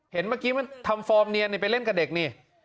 เมื่อกี้มันทำฟอร์มเนียนไปเล่นกับเด็กนี่